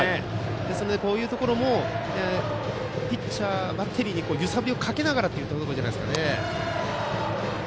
ですので、こういうところもバッテリーに揺さぶりをかけながらというところじゃないですか。